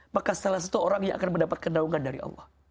maka salah satu orang yang akan mendapatkan naungan dari allah